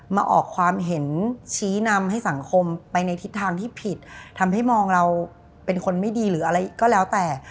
มาออกความเห็นชี้นำให้สังคมไปในทิศทางที่ผิดทำให้มองเราเป็นคนไม่ดีหรืออะไรก็แล้วแต่